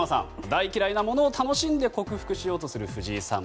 大嫌いなものを楽しんで克服しようとする藤井さん